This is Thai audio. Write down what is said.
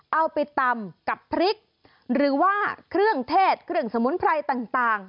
เอาไปตำกับพริกหรือว่าเครื่องเทศเครื่องสมุนไพรต่าง